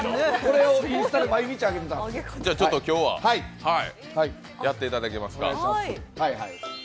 今日はやっていただけますか。